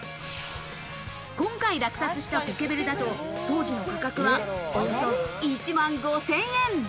今回、落札したポケベルだと、当時の価格はおよそ１万５０００円。